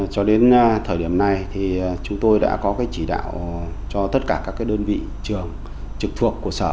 cho đến thời điểm này thì chúng tôi đã có cái chỉ đạo cho tất cả các đơn vị trường trực thuộc của sở